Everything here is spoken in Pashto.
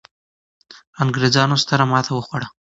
انګرېزانو ستره ماته وخوړه.